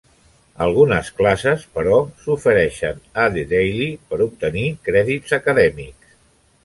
Algunes classes, però, s'ofereixen a The Daily per obtenir crèdits acadèmics.